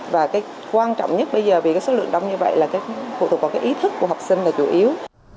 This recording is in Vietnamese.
và quan trọng nhất bây giờ vì số lượng đông như vậy là phụ thuộc vào ý thức của học sinh là chủ yếu